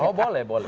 oh boleh boleh